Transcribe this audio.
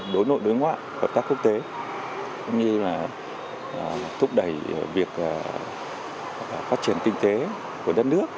đối nội đối ngoại hợp tác quốc tế cũng như là thúc đẩy việc phát triển kinh tế của đất nước